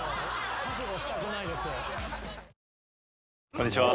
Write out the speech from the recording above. こんにちは。